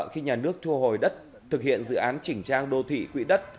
khi nhà nước thu hồi đất thực hiện dự án chỉnh trang đô thị quỹ đất